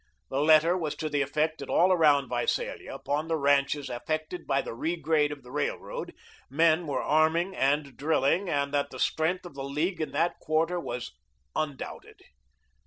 The letter was to the effect that all around Visalia, upon the ranches affected by the regrade of the Railroad, men were arming and drilling, and that the strength of the League in that quarter was undoubted.